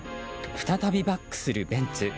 再びバックするベンツ。